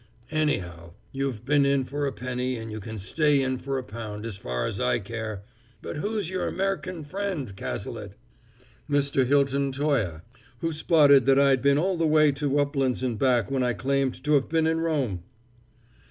Anyhow, you've been in for a penny and you can stay in for a pound, as far as I care! But who's your Amer'can friend, Cazalet?" "Mr. Hilton Toye, who spotted that I'd been all the way to Uplands and back when I claimed to have been in Rome!"